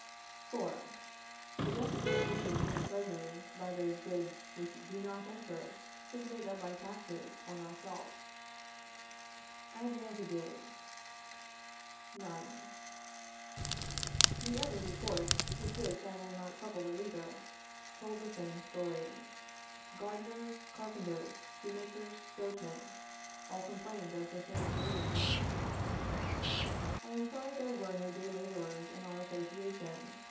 || 4. The deficit occasioned in the Treasury by those | goods which do not enter is made up by taxes | on our salt. | The other reports, with which I will not trouble the reader, told the same story. Gardeners, carpenters, shoemakers, boatmen, all complained of the same grievances. I am sorry there were no day laborers in our association.